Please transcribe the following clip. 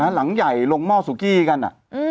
หลังใหญ่ลงหม้อสุกี้กัน